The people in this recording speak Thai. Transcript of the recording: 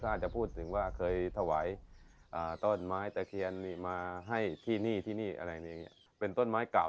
อาจจะพูดถึงว่าเคยถวายต้นไม้จะเขียนให้ที่นี่เป็นต้นไม้เก่า